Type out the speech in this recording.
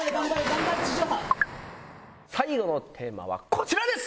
最後のテーマはこちらです。